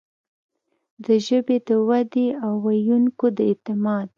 د ژبې د ودې، د ویونکو د اعتماد